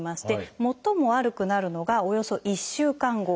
最も悪くなるのがおよそ１週間後なんですね。